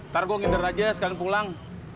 targo nginder aja sekalian pulang